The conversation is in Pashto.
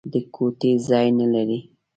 د ګوتې ځای نه لري.